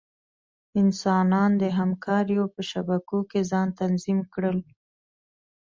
انسانان د همکاریو په شبکو کې ځان تنظیم کړل.